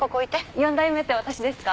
４代目って私ですか？